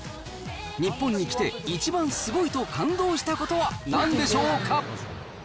日本に来て一番すごいと感動したことはなんでしょうか？